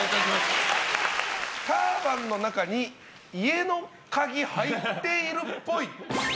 ターバンの中に家の鍵入っているっぽい。